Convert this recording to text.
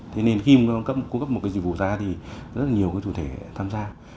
thế nên khi mà cung cấp một cái dịch vụ ra thì rất là nhiều cái chủ thể tham gia